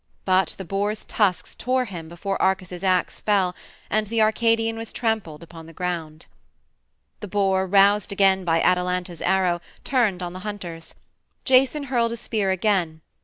But the boar's tusks tore him before Arcas's axe fell, and the Arcadian was trampled upon the ground. The boar, roused again by Atalanta's arrow, turned on the hunters. Jason hurled a spear again.